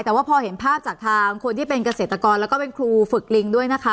แต่ว่าพอเห็นภาพจากทางคนที่เป็นเกษตรกรแล้วก็เป็นครูฝึกลิงด้วยนะคะ